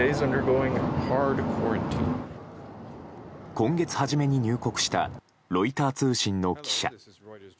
今月初めに入国したロイター通信の記者。